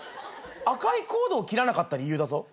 赤いコードを切らなかった理由だぞ。